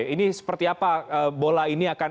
ini seperti apa bola ini akan